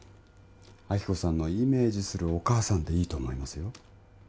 亜希子さんのイメージするお母さんでいいと思いますよ